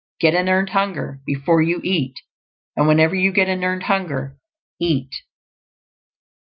Get an earned hunger before you eat; and whenever you get an earned hunger, eat.